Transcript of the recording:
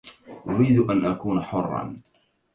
أريد أن أكون حراً.